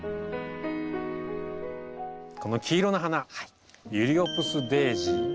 この黄色の花ユリオプスデージー。